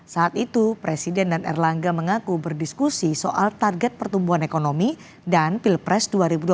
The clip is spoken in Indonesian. saat itu presiden dan erlangga mengaku berdiskusi soal target pertumbuhan ekonomi dan pilpres dua ribu dua puluh